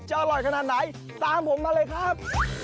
อร่อยขนาดไหนตามผมมาเลยครับ